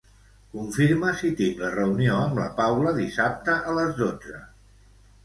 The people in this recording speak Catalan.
Confirma si tinc la reunió amb la Paula dissabte a les dotze.